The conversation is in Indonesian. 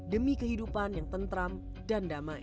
demi kehidupan yang tentram dan damai